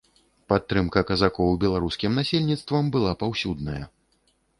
Падтрымка казакоў беларускім насельніцтвам была паўсюдная.